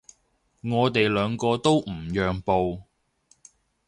我哋兩個都唔讓步